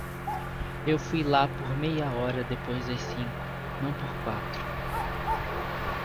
Eu fui lá por meia hora depois das cinco, não por quatro.